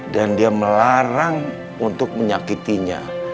dan dia melarang untuk menyakitinya